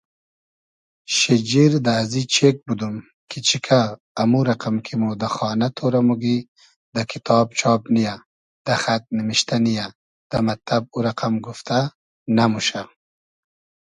شیجیر دۂ ازی چېگ بودوم کی چیکۂ امو رئقئم کی مۉ دۂ خانۂ تۉرۂ موگی دۂ کیتاب چاب نییۂ دۂ خئد نیمیشتۂ نییۂ دۂ مئتتئب او رئقئم گوفتۂ نئموشۂ